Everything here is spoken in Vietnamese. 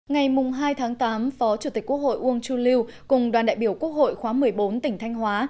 ngày hai tháng tám phó chủ tịch quốc hội uông chu lưu cùng đoàn đại biểu quốc hội khóa một mươi bốn tỉnh thanh hóa